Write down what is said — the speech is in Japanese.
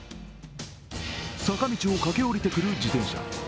坂道を駆け下りてくる自転車。